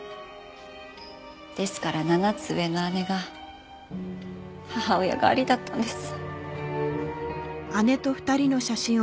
ですから７つ上の姉が母親代わりだったんです。